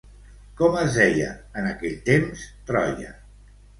Com es deia en aquells temps Troia?